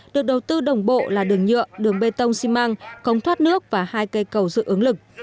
được đầu tư đồng bộ là đường nhựa đường bê tông xi măng cống thoát nước và hai cây cầu dự ứng lực